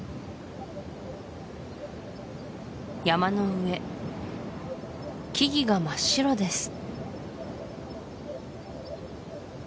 山の上木々が真っ白です